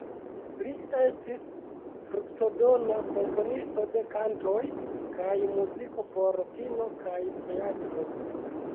Li estis fruktodona komponisto de kantoj kaj muziko por kino kaj teatro.